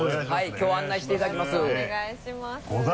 きょう案内していただきます。